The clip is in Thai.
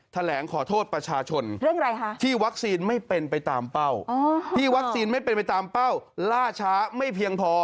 แถลงขอโทษประชาชนที่วัคซีนไม่เป็นไปตามเป้าล่าช้าไม่เพียงพอ